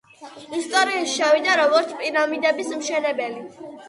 ისტორიაში შევიდა როგორც პირამიდების მშენებელი.